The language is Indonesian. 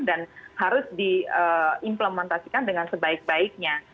dan harus diimplementasikan dengan sebaik baiknya